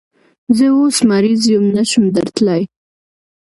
زه اوس مریض یم، نشم درتلای